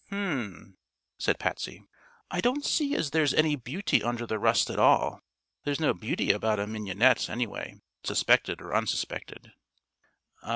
"Hm," said Patsy, "I don't see as there's any beauty under the rust, at all. There's no beauty about a mignonette, anyhow, suspected or unsuspected."